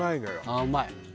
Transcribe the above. ああうまい。